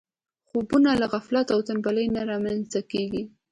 خوبونه له غفلت او تنبلي نه رامنځته کېږي.